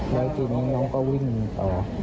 แล้วทีนี้น้องก็วิ่งต่อ